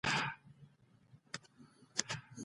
که هغه کار د کوم رنځور او ناروغ علاج وي.